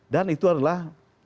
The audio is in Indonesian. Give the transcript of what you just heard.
dan itu adalah